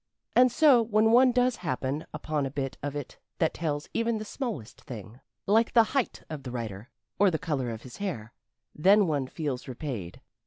And so when one does happen upon a bit of it that tells even the smallest thing, like the height of the writer, or the color of his hair, then one feels repaid.